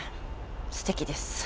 すてきです。